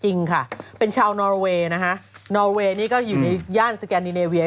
จริงค่ะเป็นชาวนอรเวย์นะคะนอเวย์นี่ก็อยู่ในย่านสแกนนิเนเวีย